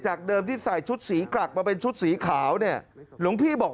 เดิมที่ใส่ชุดสีกลักมาเป็นชุดสีขาวเนี่ยหลวงพี่บอก